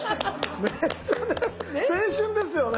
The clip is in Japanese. めっちゃね青春ですよね。